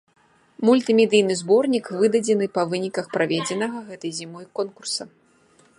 Мультымедыйны зборнік выдадзены па выніках праведзенага гэтай зімой конкурса.